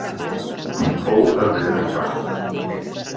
Fou el primer sultà.